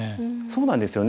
そうなんですよね。